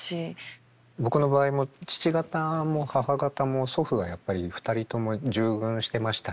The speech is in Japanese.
僕の場合も父方も母方も祖父がやっぱり２人とも従軍してましたね。